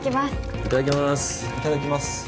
いただきます。